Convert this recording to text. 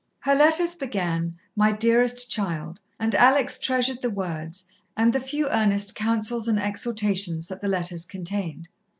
Her letters began, "My dearest child," and Alex treasured the words, and the few earnest counsels and exhortations that the letters contained.